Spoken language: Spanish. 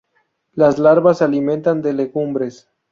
Las larvas se alimentan de legumbres.